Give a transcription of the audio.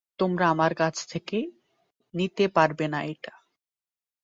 তোমরা আমার কাছ থেকে নিতে পারবে না এটা।